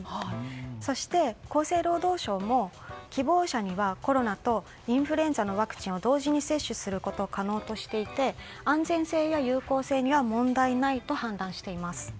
そして厚生労働省も希望者にはコロナとインフルエンザのワクチンを同時に接種することを可能としていて安全性や有効性に問題ないと話しています。